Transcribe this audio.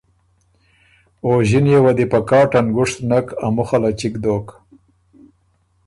او ݫِنيې وه دی په کاټه نګُشت نک، ا مُخه له چِګ دوک